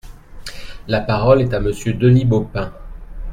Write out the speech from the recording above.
La parole est à Monsieur Denis Baupin.